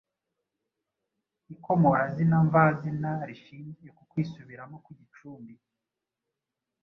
Ikomorazina mvazina rishingiye ku kwisubiramo kw’igicumbi